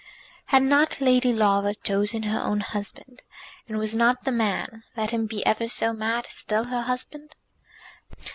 Had not Lady Laura chosen her own husband; and was not the man, let him be ever so mad, still her husband?